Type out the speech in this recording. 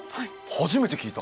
初めて聞いた。